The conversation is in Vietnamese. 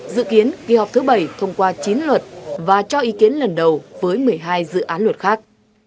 dự kiến kỳ họp thứ bảy thông qua chín luật và cho ý kiến lần đầu với một mươi hai dự án luật khác